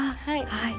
はい。